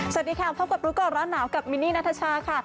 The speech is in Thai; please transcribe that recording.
สวัสดีค่ะพบกับรู้ก่อนร้อนหนาวกับมินนี่นัทชาค่ะ